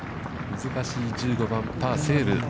難しい１５番、パーセーブ。